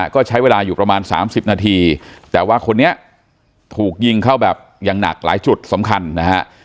ก็ใช้เวลาอยู่ประมาณ๓๐นาทีแต่ว่าคนนี้ถูกยิงเข้าแบบอย่างหนักหลายจุดสำคัญนะฮะ